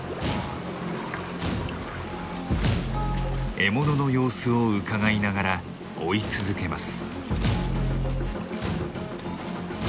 獲物の様子をうかがいながら追い続けます。